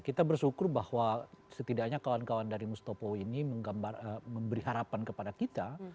kita bersyukur bahwa setidaknya kawan kawan dari mustopo ini memberi harapan kepada kita